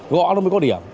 gõ nó mới có điểm